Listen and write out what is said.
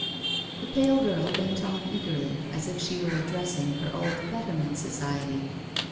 The pale girl went on eagerly, as if she were addressing her old ' Betterment ' Society.